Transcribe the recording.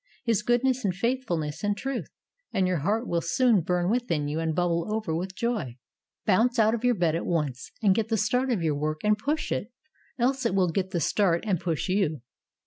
His goodness and faithful ness and truth, and your heart will soon burn within you and bubble over with joy. Bounce out of your bed at once and get the start of your work and push it, else it will get the start and push you.